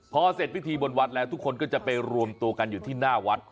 พอเสร็จพิธีบนวัดแล้วทุกคนก็จะไปรวมตัวกันอยู่ที่หน้าวัด